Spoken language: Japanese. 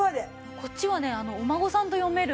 こっちはねお孫さんと読める